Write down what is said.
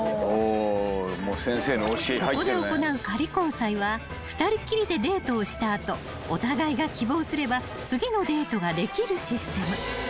［ここで行う仮交際は２人っきりでデートをした後お互いが希望すれば次のデートができるシステム］